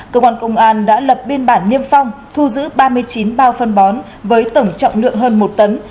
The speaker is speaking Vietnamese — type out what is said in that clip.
cơ quan công an đã lập biên bản niêm phong thu giữ ba mươi chín bao phân bón với tổng trọng lượng hơn một tấn